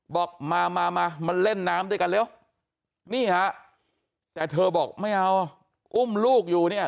บอกมามาเล่นน้ำด้วยกันเร็วนี่ฮะแต่เธอบอกไม่เอาอุ้มลูกอยู่เนี่ย